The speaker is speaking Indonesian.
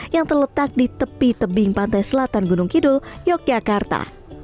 yang terletak di tepi tebing pantai selatan gunung kidul yogyakarta